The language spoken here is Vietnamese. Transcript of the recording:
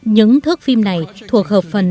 những thước phim này thuộc hợp phần